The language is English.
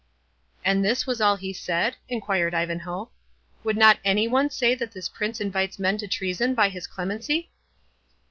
'" "And this was all he said?" enquired Ivanhoe; "would not any one say that this Prince invites men to treason by his clemency?"